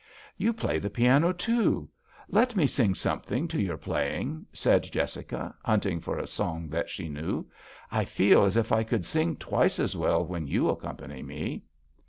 " You play the piano, too ; let me sing something to your play ing," said Jessica, hunting for a song that she knew. I feel as if I could sing twice as well when you accompany me."